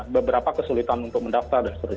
beberapa kesulitan untuk mendaftar dan seterusnya